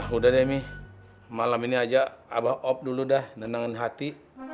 ah udah demi malam ini aja abah op dulu dah nenangin hati